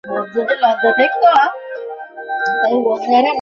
এটি দেশটির পূর্বাঞ্চলে অবস্থিত।